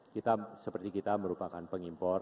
kita seperti kita merupakan pengimpor